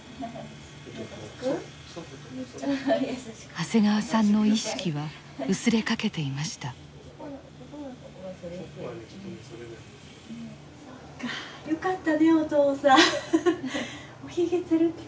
長谷川さんの意識は薄れかけていました。